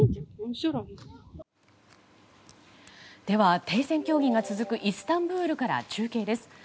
では、停戦協議が続くイスタンブールから中継です。